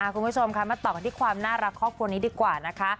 คุณผู้ชมค่ะมาต่อกันที่ความน่ารักครอบครัวนี้ดีกว่านะคะ